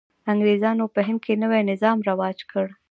انګرېزانو په هند کې نوی نظام رواج کړ.